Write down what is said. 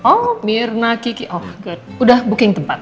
oh mirna kiki oh good udah booking tempat